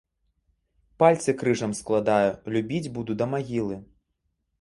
Пальцы крыжам складаю, любіць буду да магілы.